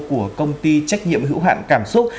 của công ty trách nhiệm hữu hạn cảm xúc